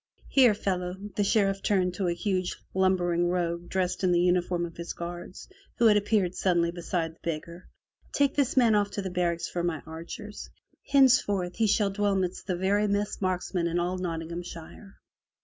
"Here, fellow," the Sheriff turned to a huge lumbering rogue dressed in the uniform of his guards, who had appeared suddenly beside the beggar. "Take this man off to the barracks for my archers. Henceforth he shall dwell midst the very best marks men in all Nottinghamshire.'